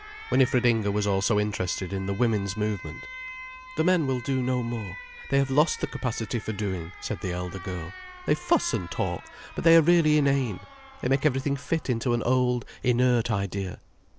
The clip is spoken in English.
Winifred Inger was also interested in the Women's Movement. "The men will do no more,—they have lost the capacity for doing," said the elder girl. "They fuss and talk, but they are really inane. They make everything fit into an old, inert idea.